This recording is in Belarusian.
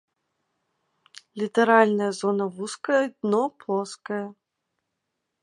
Літаральная зона вузкая, дно плоскае.